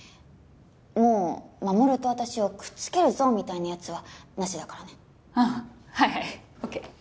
もう衛と私をくっつけるぞみたいなやつはなしだからねああはいはいＯＫ